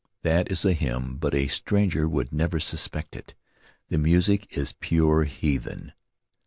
That is a hymn, but a stranger would never suspect it — the music is pure heathen.